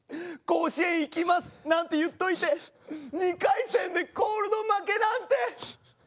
「甲子園行きます」なんて言っといて２回戦でコールド負けなんて！